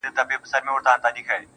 o ستا په يادونو كي راتېره كړله.